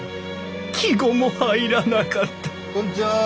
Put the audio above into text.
季語も入らなかったこんにちは。